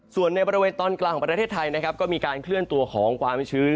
ส่วนในบริเวณตอนกลางของประเทศไทยนะครับก็มีการเคลื่อนตัวของความชื้น